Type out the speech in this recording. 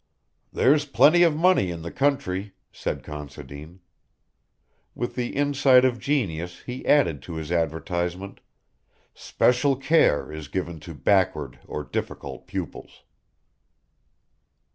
"There's plenty of money in the country," said Considine. With the insight of genius he added to his advertisement, "Special care is given to backward or difficult pupils."